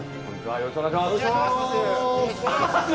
よろしくお願いします。